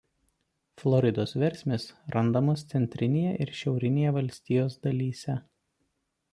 Floridos versmės randamos centrinėje ir šiaurinėje valstijos dalyse.